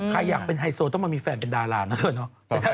ใครอยากเป็นไฮโซต้องมามีแฟนเป็นดารานะเธอเนาะ